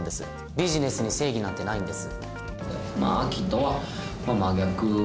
ビジネスに正義なんてないんです。